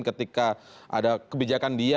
ketika ada kebijakan dia